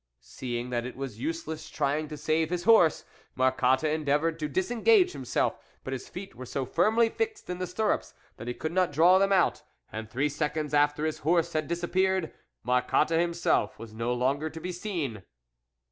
Seeing that it was useless try ing to save his horse, Marcotte en deavoured to disengage himself, but his feet were so firmly fixed in the stirrups that he could not draw them out, and three seconds after his horse had dis appeared, Marcotte himself was no longer to be seen.